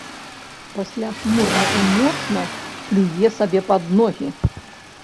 Пасля хмурна і моцна плюе сабе пад ногі.